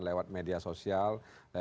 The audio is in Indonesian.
lewat media sosial